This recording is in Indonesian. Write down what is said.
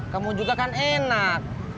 kamu juga kan enak